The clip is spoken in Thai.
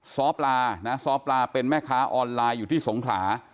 ซ้อปลานะซ้อปลาเป็นแม่ค้าออนไลน์อยู่ที่สงขลา